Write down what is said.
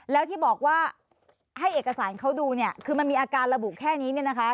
แล้วที่บอกว่าให้เอกสารเขาดูเนี่ยคือมันมีอาการระบุแค่นี้เนี่ยนะคะ